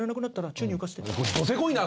ドせこいな！